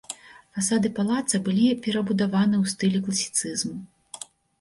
Фасады палаца былі перабудаваны ў стылі класіцызму.